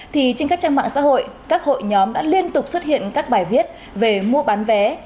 thì trên các trang mạng xã hội các hội nhóm đã liên tục xuất hiện các bài viết về mua bán vé